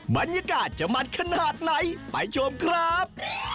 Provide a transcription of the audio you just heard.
บรรยากาศจะมันขนาดไหนไปชมครับ